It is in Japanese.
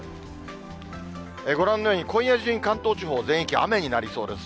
ご覧のように、今夜中に関東地方全域、雨になりそうです。